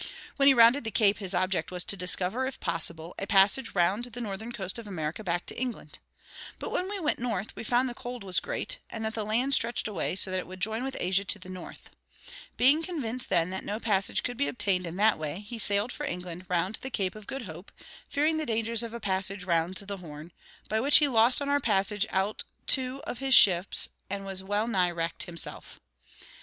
When he rounded the Cape his object was to discover, if possible, a passage round the northern coast of America back to England. But when we went north we found the cold was great, and that the land stretched away so that it would join with Asia to the north. Being convinced, then, that no passage could be obtained in that way, he sailed for England round the Cape of Good Hope, fearing the dangers of a passage round the Horn, by which he lost on our passage out two of his ships, and was well nigh wrecked himself.